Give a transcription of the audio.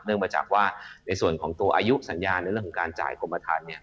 มาจากว่าในส่วนของตัวอายุสัญญาในเรื่องของการจ่ายกรมฐานเนี่ย